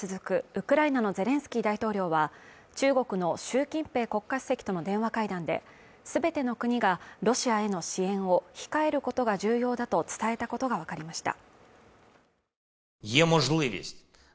ウクライナのゼレンスキー大統領は、中国の習近平国家主席との電話会談で、全ての国がロシアへの支援を控えることが重要だと伝えたことがわかりました。